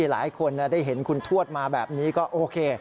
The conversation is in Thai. หลายคนได้เห็นคุณทวดมาแบบนี้ก็โอเค